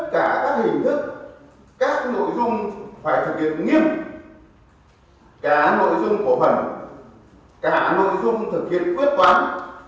tất cả các hình thức các nội dung phải thực hiện nghiêm cả nội dung bổ phẩm cả nội dung thực hiện quyết toán